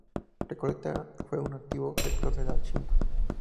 Recoleta fue un antiguo sector de "La Chimba".